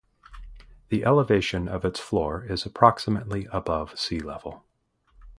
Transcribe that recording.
The elevation of its floor is approximately above sea level.